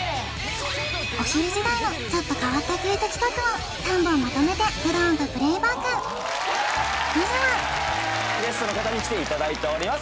お昼時代のちょっと変わったクイズ企画を３本まとめてどどーんとプレイバックまずはゲストの方に来ていただいております